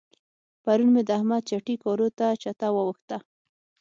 پرون مې د احمد چټي کارو ته چته واوښته.